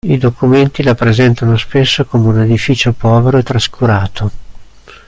I documenti la presentano spesso come un edificio povero e trascurato.